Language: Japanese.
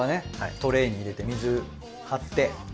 トレイに入れて水張って。